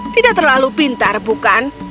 tidak terlalu pintar bukan